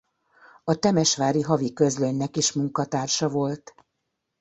A temesvári Havi Közlönynek is munkatársa volt.